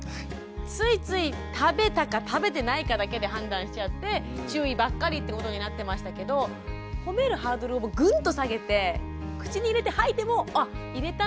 ついつい食べたか食べてないかだけで判断しちゃって注意ばっかりってことになってましたけどほめるハードルをぐんと下げて口に入れて吐いても「あ入れたね」ってほめる。